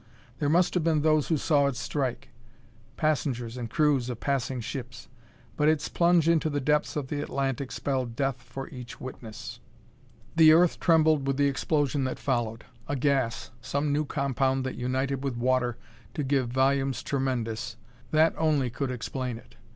There must have been those who saw it strike passengers and crews of passing ships but its plunge into the depths of the Atlantic spelled death for each witness. The earth trembled with the explosion that followed. A gas some new compound that united with water to give volumes tremendous that only could explain it.